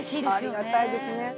ありがたいですね。